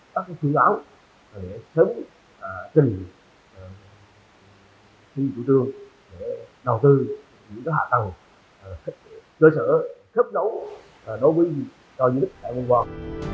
có các phương án để sớm chuẩn bị thi chủ trương để đầu tư những hạ tầng cơ sở thấp đấu đối với doanh nghiệp hải văn quan